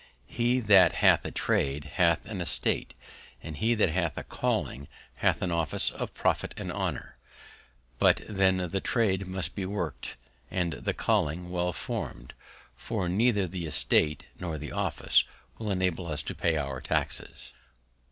_ He that hath a Trade hath an Estate; and he that hath a Calling, hath an Office of Profit and Honor; but then the Trade must be worked at, and the Calling well followed, or neither the Estate nor the Office will enable us to pay our Taxes.